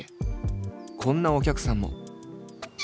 こんなお客さんも。